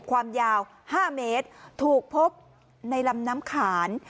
ความยาว๕เมตรถูกพบในลำน้ำขาน